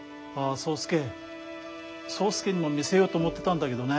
そうすけにも見せようと思ってたんだけどね。